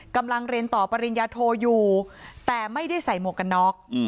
กำลังเรียนต่อปริญญาโทอยู่แต่ไม่ได้ใส่หมวกกันน็อก